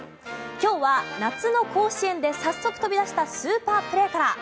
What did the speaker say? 今日は夏の甲子園で早速、飛び出したスーパープレーから。